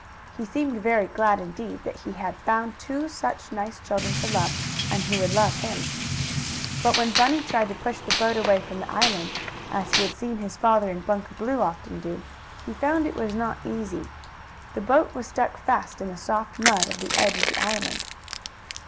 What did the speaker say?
He seemed very glad Indeed that he had found two such nice children to love, and who would love him. But when Bunny tried to push the boat away from the island, as he had seen his father and Bunker Blue often do, he found it was not easy. The boat was stuck fast in the soft mud of the edge of the island.